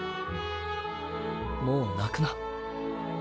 もう泣くな。